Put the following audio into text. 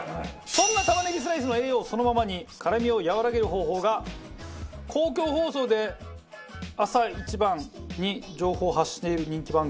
そんな玉ねぎスライスの栄養をそのままに辛みを和らげる方法が公共放送であさイチバンに情報を発している人気番組。